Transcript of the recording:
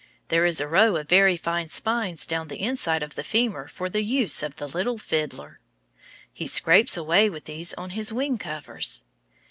There is a row of very fine spines down the inside of the femur for the use of the little fiddler. He scrapes away with these on his wing covers.